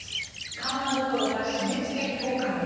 緩和どころか締め付け強化に。